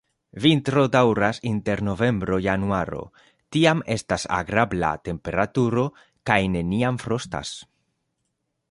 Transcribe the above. Vintro daŭras inter novembro-januaro, tiam estas agrabla temperaturo kaj neniam frostas.